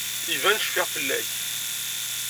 Iban cfiɣ fell-ak.